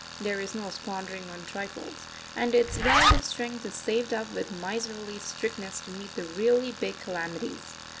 There is no squandering on trifles, and its wealth of strength is saved up with miserly strictness to meet the really big calamities.